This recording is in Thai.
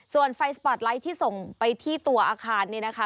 ส่วนไฟสปอร์ตไลท์ที่ส่งไปที่ตัวอาคารเนี่ยนะคะ